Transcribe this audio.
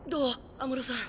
安室さん。